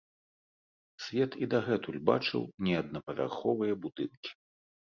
Свет і дагэтуль бачыў неаднапавярховыя будынкі.